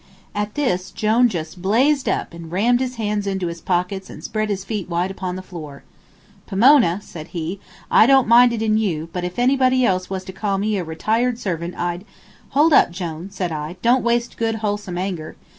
At this Jone just blazed up and rammed his hands into his pockets and spread his feet wide upon the floor. "Pomona," said he, "I don't mind it in you, but if anybody else was to call me a retired servant I'd " "Hold up, Jone," said I, "don't waste good, wholesome anger."